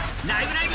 ライブ！」